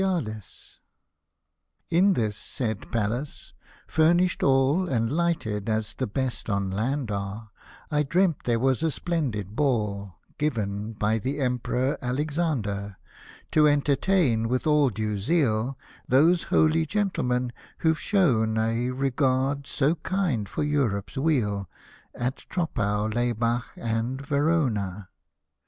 189 Hosted by Google 190 SATIRICAL AND HUMOROUS POEMS In this said Palace, furnished all And lighted as the best on land are, I dreamt there was a splendid Ball Given by the Emperor Alexander, To entertain with all due zeal, Those holy gentlemen, who've shown a Regard so kind for Europe's weal. At Troppau, Laybach, and Verona.